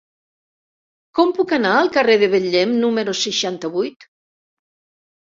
Com puc anar al carrer de Betlem número seixanta-vuit?